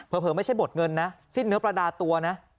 เผลอไม่ใช่บดเงินนะสิ้นเนื้อประดาตัวนะ